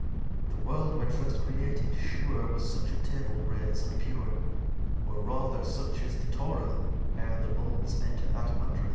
The World when first created sure Was such a Table rase and pure. Or rather such is the Toril Ere the Bulls enter at Madril.